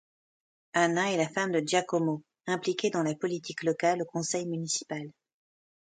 Anna est la femme de Giacomo, impliqué dans la politique locale au conseil municipal.